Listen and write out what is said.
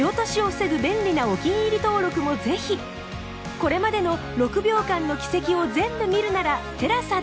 これまでの『６秒間の軌跡』を全部見るなら ＴＥＬＡＳＡ で